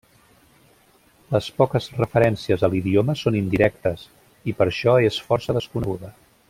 Les poques referències a l'idioma són indirectes i per això és força desconeguda.